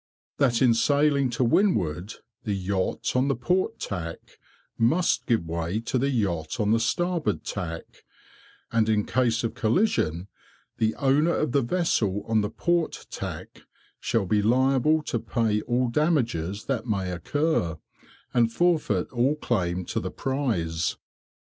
"That in sailing to windward the yacht on the port tack must give way to the yacht on the starboard tack, and in case of collision, the owner of the vessel on the port tack shall be liable to pay all damages that may occur, and forfeit all claim to the prize.